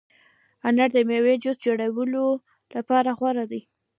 انار د مېوې جوس جوړولو لپاره غوره دی.